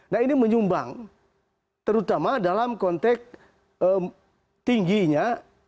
nah ini menyumbang terutama dalam konteks tingginya